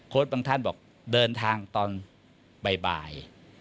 บางท่านบอกเดินทางตอนบ่าย